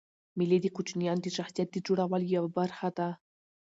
مېلې د کوچنيانو د شخصیت د جوړولو یوه برخه ده.